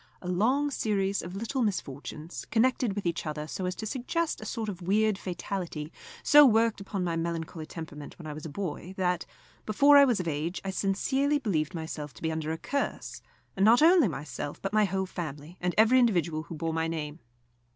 A long series of little misfortunes, connected with each other so as to suggest a sort of weird fatality, so worked upon my melancholy temperament when I was a boy that, before I was of age, I sincerely believed myself to be under a curse, and not only myself, but my whole family, and every individual who bore my name.